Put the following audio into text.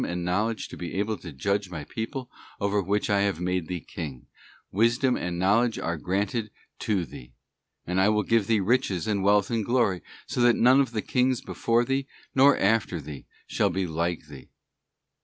315 and knowledge to be able to judge My people, over which I have made thee king: wisdom and knowledge are granted to thee ; and I will give thee riches and wealth and glory, so that none of the kings before thee, nor after thee, shall be like thee.